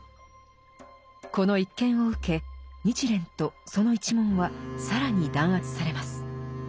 この一件を受け日蓮とその一門は更に弾圧されます。